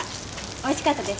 おいしかったです。